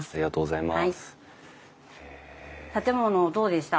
建物どうでした？